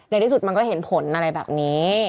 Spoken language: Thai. ในที่สุดมันก็เห็นผลอะไรแบบนี้